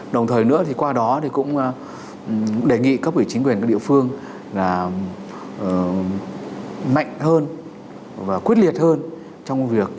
đồng thời nữa thì qua đó thì cũng đề nghị các vị chính quyền các địa phương là mạnh hơn và quyết liệt hơn trong việc